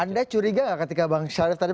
anda curiga gak ketika bang syarif tadi